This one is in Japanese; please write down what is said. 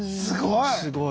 すごい。